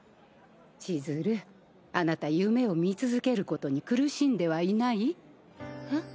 ちづるあなた夢を見続けることに苦しんではいない？えっ？